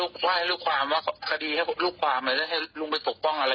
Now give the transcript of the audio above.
ก็เหมือนกับข้าจ้างเหมือนกัน